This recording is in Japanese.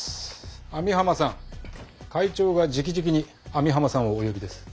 網浜さん会長がじきじきに網浜さんをお呼びです。